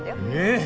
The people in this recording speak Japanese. えっ！